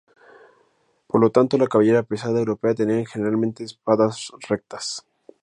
Por lo tanto, la caballería pesada europea tenía generalmente espadas rectas.